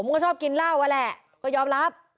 ก็ชอบกินเหล้าอ่ะแหละก็ยอมรับ